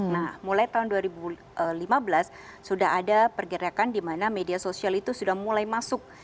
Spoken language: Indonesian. nah mulai tahun dua ribu lima belas sudah ada pergerakan di mana media sosial itu sudah mulai masuk